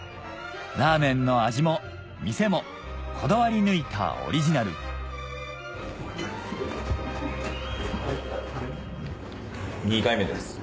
ラーメンの味も店もこだわり抜いたオリジナル２回目です。